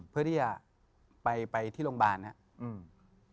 เพื่อที่จะไปที่โรงพยาบาลครับ